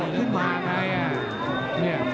มันสดขึ้นมากไงอ่ะเนี่ย